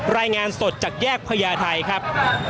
รายงานสดจากแยกพญาไทยครับ